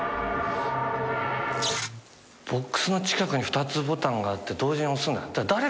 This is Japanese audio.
ボックスの近くに２つボタンがあって同時に押すんだ。